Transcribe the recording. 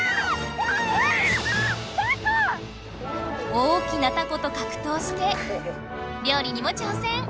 大きなタコとかくとうして料理にも挑戦！